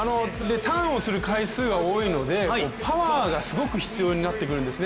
ターンをする回数が多いのでパワーがすごく必要になってくるんですね。